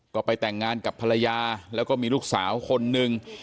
ก็ไปแต่งงานกับภรรยาแล้วก็มีลูกสาวคนนึง